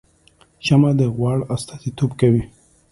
شمعه د غوړ استازیتوب کوي